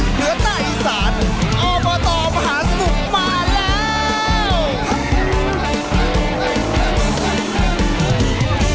เหนือใต้อีสานออเบอร์ตอร์มหาสมุทรมาแล้ว